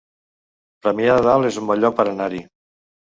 Premià de Dalt es un bon lloc per anar-hi